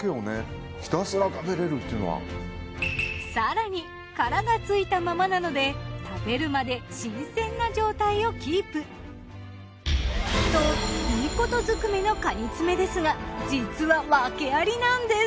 更に殻が付いたままなので食べるまで新鮮な状態をキープ。といいこと尽くめのかに爪ですが実は訳ありなんです。